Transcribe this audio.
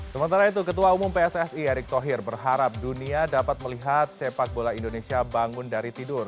sementara itu ketua umum pssi erick thohir berharap dunia dapat melihat sepak bola indonesia bangun dari tidur